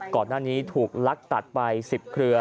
ก่อนหน้านี้ถูกลักตัดไป๑๐เครือ